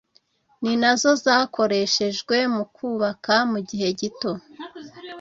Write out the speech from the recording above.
ni nazo zakoreshejwe mu kubaka mu gihe gito